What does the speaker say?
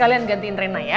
kalian gantiin rena ya